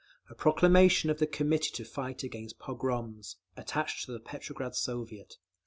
A proclamation of the Committee to Fight against Pogroms, attached to the Petrograd Soviet.